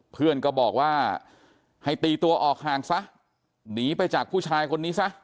เพื่อนก็บอกว่าให้ตีตัวออกห่างซะหนีไปจากผู้ชายคนนี้ซะ